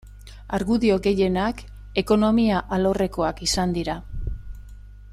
Argudio gehienak ekonomia alorrekoak izan dira.